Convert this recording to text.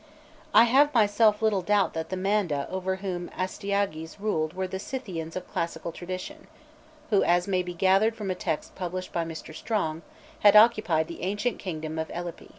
I have myself little doubt that the Manda over whom Astyages ruled were the Scythians of classical tradition, who, as may be gathered from a text published by Mr. Strong, had occupied the ancient kingdom of Ellipi.